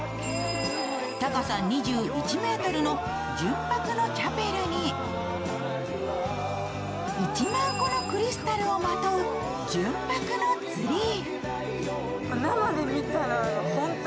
高さ２１ｍの純白のチャペルに、１万個のクリスタルをまとう純白のツリー。